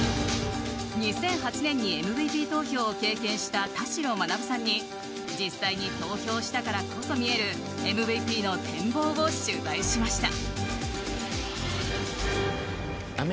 ２００８年にＭＶＰ投票を経験した田代学さんに実際に投票したからこそ見えるＭＶＰの展望を取材しました。